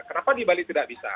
kenapa di bali tidak bisa